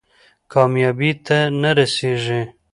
کامیابۍ ته نه رسېږي.